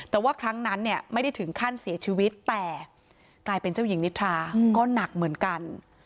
แต่ว่าครั้งนั้นเนี่ยไม่ได้ถึงขั้นเสียชีวิตแต่กลายเป็นเจ้าหญิงนิทราก็หนักเหมือนกัน